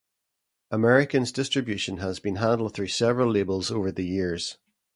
American's distribution has been handled through several labels over the years.